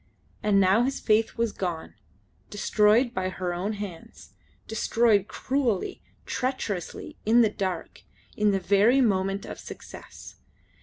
And now his faith was gone, destroyed by her own hands; destroyed cruelly, treacherously, in the dark; in the very moment of success.